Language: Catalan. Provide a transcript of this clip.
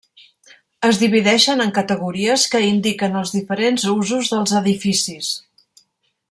Es divideixen en categories que indiquen els diferents usos dels edificis.